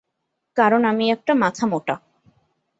কারণ আমি একটা মাথামোটা।